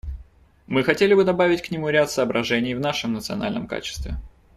Мы хотели бы добавить к нему ряд соображений в нашем национальном качестве.